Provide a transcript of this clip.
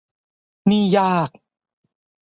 นี่ยาก